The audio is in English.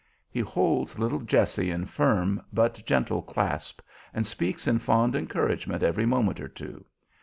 He holds little Jessie in firm but gentle clasp, and speaks in fond encouragement every moment or two.